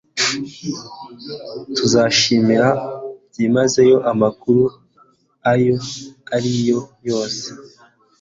Tuzashimira byimazeyo amakuru ayo ari yo yose